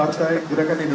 partai gorongan karya